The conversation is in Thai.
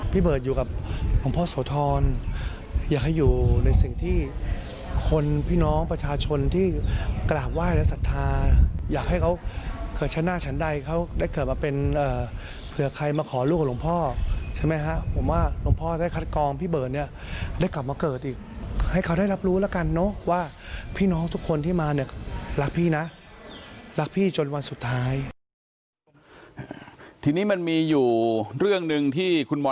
พี่เบิร์ดอยู่กับหลวงพ่อโสทรอยากให้อยู่ในสิ่งที่คนพี่น้องประชาชนที่กราบว่ายและศรัทธาอยากให้เขาเกิดชั้นหน้าชั้นใดเขาได้เกิดมาเป็นเผื่อใครมาขอลูกหลวงพ่อใช่ไหมฮะผมว่าหลวงพ่อได้คัดกองพี่เบิร์ดเนี่ยได้กลับมาเกิดอีกให้เขาได้รับรู้แล้วกันเนาะว่าพี่น้องทุกคนที่มาเนี่ยรักพี่นะรักพ